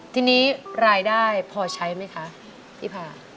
ทีนี้รายได้พอใช้ไหมคะพี่พา